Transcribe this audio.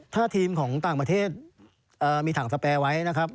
ถ้าทีมของต่างประเทศมีถังสแปรไว้นะครับ